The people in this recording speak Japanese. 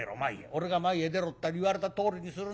俺が前へ出ろったら言われたとおりにするんだよ。